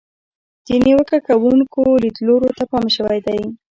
د نیوکه کوونکو لیدلورو ته پام شوی دی.